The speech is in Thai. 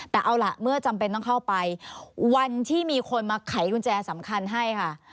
แต่เอาล่ะเมื่อจำเป็นต้องเข้าไปวันที่มีคนมาไขกุญแจสำคัญให้ค่ะ